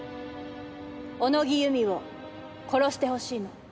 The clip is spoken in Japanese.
小野木由美を殺してほしいの。